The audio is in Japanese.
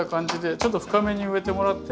ちょっと深めに植えてもらって。